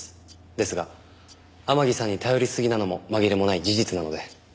ですが天樹さんに頼りすぎなのも紛れもない事実なので。